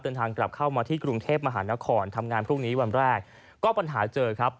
เดินทางกลับเข้ามาที่กรุงเทพมหานครทำงานพรุ่งนี้วันแรกก็ปัญหาเจอครับ